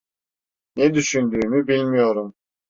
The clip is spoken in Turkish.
Ne düşündüğümü bilmiyorum.